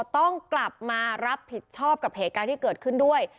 ต้องกลับมารับผิดชอบกับเหตุการณ์ที่เกิดขึ้นด้วย